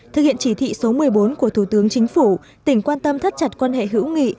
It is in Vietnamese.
thực hiện chỉ thị số một mươi bốn của thủ tướng chính phủ tỉnh quan tâm thắt chặt quan hệ hữu nghị